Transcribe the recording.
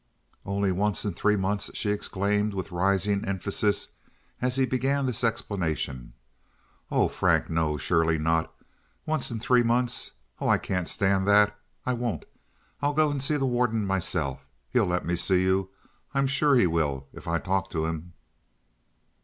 "Only once in three months!" she exclaimed, with rising emphasis, as he began this explanation. "Oh, Frank, no! Surely not! Once in three months! Oh, I can't stand that! I won't! I'll go and see the warden myself. He'll let me see you. I'm sure he will, if I talk to him."